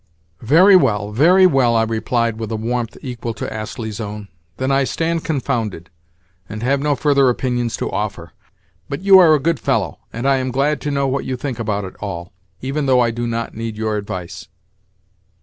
"Very well, very well," I replied with a warmth equal to Astley's own. "Then I stand confounded, and have no further opinions to offer. But you are a good fellow, and I am glad to know what you think about it all, even though I do not need your advice."